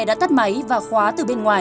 đã tắt máy và khóa từ bên ngoài